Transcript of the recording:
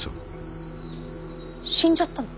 死んじゃったの？